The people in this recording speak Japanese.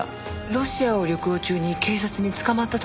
ロシアを旅行中に警察に捕まったとかで。